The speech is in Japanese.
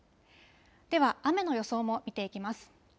では雨の予想も見ていきます。